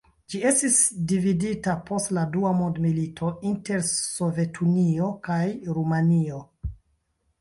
Ĝi estis dividita post la dua mondmilito inter Sovetunio kaj Rumanio.